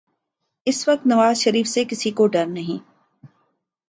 اس وقت نواز شریف سے کسی کو ڈر نہیں۔